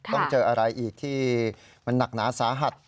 ต้องเจออะไรอีกที่มันหนักหนาสาหัส